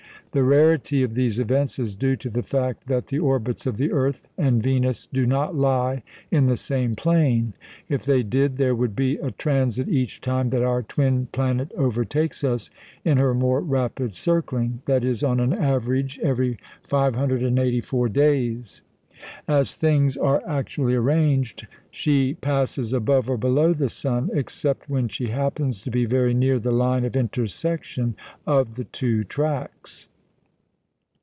The rarity of these events is due to the fact that the orbits of the earth and Venus do not lie in the same plane. If they did, there would be a transit each time that our twin planet overtakes us in her more rapid circling that is, on an average, every 584 days. As things are actually arranged, she passes above or below the sun, except when she happens to be very near the line of intersection of the two tracks.